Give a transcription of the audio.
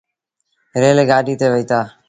ريل گآڏيٚ تي وهيتآ۔